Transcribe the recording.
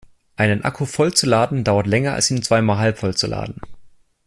Einen Akku voll zu laden dauert länger als ihn zweimal halbvoll zu laden.